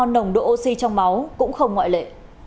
nồng độ oxy trong máu cũng không ngoại lệ